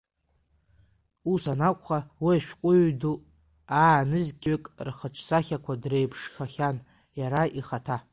Ус анакәха, уи ашәҟәыҩҩ ду, аа-нызқьҩык рхаҿсахьақәа дреиԥшхахьан иара ихаҭа.